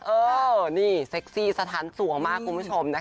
เออนี่เซ็กซี่สะทันสวงมากคุณผู้ชมนะคะ